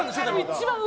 一番上！